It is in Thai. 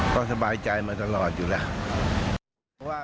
ก็สบายใจมาตลอดอยู่แล้ว